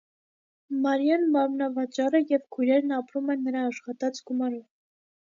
Մարիան մարմնավաճառ է, և քույրերն ապրում են նրա աշխատած գումարով։